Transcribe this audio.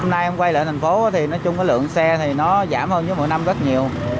hôm nay em quay lại thành phố thì nói chung cái lượng xe thì nó giảm hơn với mỗi năm rất nhiều